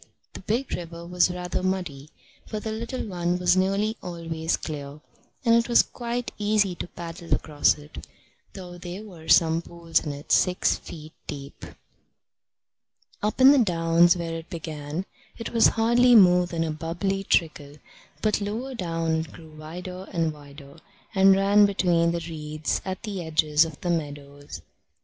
The big river was rather muddy, but the little one was nearly always clear, and it was quite easy to paddle across it, though there were some pools in it six feet deep. Up in the downs, where it began, it was hardly more than a bubbly trickle, but lower down it grew wider and wider, and ran between the reeds at the edges of the meadows.